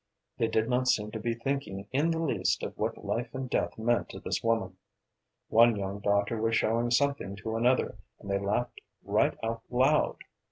They did not seem to be thinking in the least of what life and death meant to this woman. One young doctor was showing something to another, and they laughed right out loud!